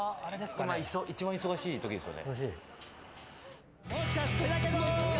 今、一番忙しい時ですよね。